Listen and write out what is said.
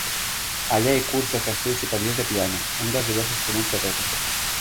Allà hi cursa els estudis superiors de piano, un dels diversos instruments que toca.